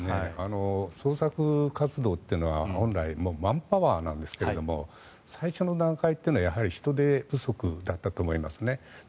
捜索活動っていうのは本来マンパワーなんですが最初の段階というのは人手不足だったと思いますね。